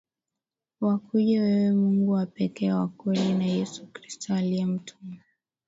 wakujue wewe Mungu wa pekee wa kweli na Yesu Kristo uliyemtuma